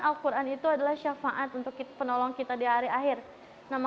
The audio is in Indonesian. alquran itu adalah syafaat untuk penolong kita di hari akhir namakanya saya termotivasi wujud rasa